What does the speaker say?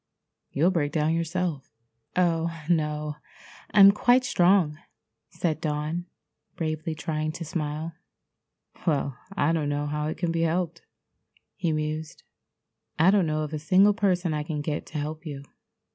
You'll break down yourself." "Oh, no, I'm quite strong," said Dawn, bravely trying to smile. "Well, I don't know how it can be helped," he mused. "I don't know of a single person I can get to help you.